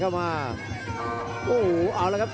จักรก้าวฟุนอะไรเเหละครับ